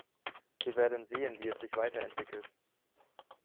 Wir werden sehen, wie es sich weiterentwickelt.